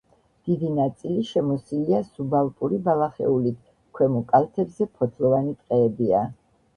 დიდი ნაწილი შემოსილია სუბალპური ბალახეულით, ქვემო კალთებზე ფოთლოვანი ტყეებია.